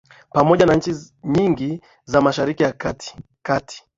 pamoja na nchi nyingi za Mashariki ya Kati kati